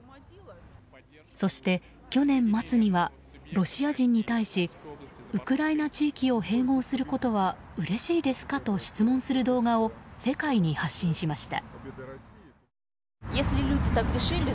そして、去年末にはロシア人に対しウクライナ地域を併合することはうれしいですかと質問する動画を世界に発信しました。